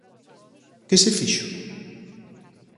Que se fixo?